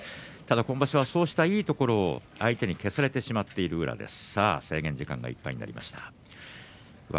今場所そうしたいいところが相手に削られてしまっている宇良です。